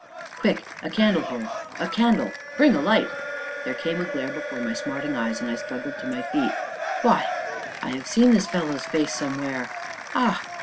"Quick a candle here a candle bring a light " There came a glare before my smarting eyes, and I struggled up to my feet. "Why I have seen this fellow's face somewhere ah!